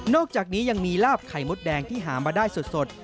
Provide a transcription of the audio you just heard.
อกจากนี้ยังมีลาบไข่มดแดงที่หามาได้สด